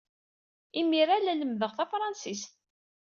Imir-a, la lemmdeɣ tafṛensist.